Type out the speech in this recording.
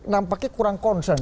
nampaknya kurang concern